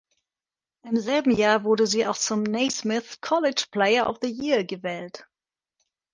Im selben Jahr wurde sie auch zum Naismith College Player of the Year gewählt.